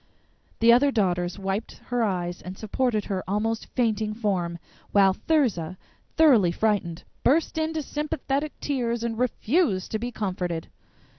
The other Daughters wiped her eyes and supported her almost fainting form, while Thirza, thoroughly frightened, burst into sympathetic tears, and refused to be comforted.